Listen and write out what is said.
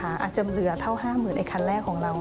อาจจะเหลือเท่า๕๐๐๐ไอ้คันแรกของเรา